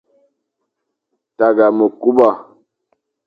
Tagha mekuba.